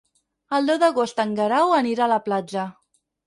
El deu d'agost en Guerau anirà a la platja.